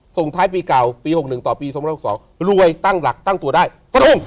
ส่งท้ายปีเก่าปีหกหนึ่งต่อปีสามร้อยหกสองรวยตั้งหลักตั้งตัวได้ฟะทุ่ง